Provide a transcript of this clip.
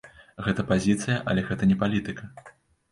Гэта пазіцыя, але гэта не палітыка.